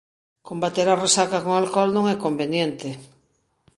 Combater a resaca con alcol non é conveniente.